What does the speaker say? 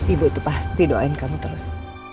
ibu itu pasti doain kamu terus